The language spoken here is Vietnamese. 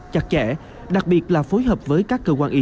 chặt chẽ đặc biệt là phối hợp với các cơ quan y tế